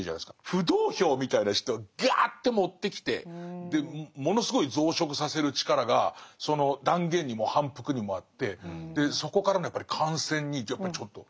浮動票みたいな人をガーッと持ってきてものすごい増殖させる力がその断言にも反復にもあってでそこからの感染にやっぱりちょっと。